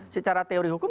secara teori hukum